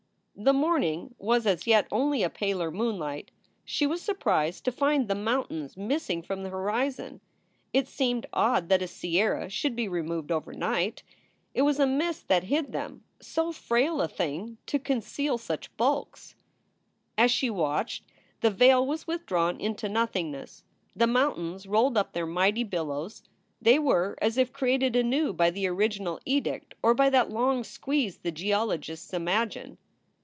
The morning was as yet only a paler moonlight. She was surprised to find the mountains missing from the horizon. It seemed odd that a sierra should be removed overnight. It was a mist that hid them so frail a thing to conceal such bulks! 290 SOULS FOR SALE As she watched, the veil was withdrawn into nothingness. The mountains rolled up their mighty billows. They were as if created anew by the original edict or by that long squeeze the geologists imagine.